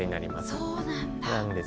そうなんだ。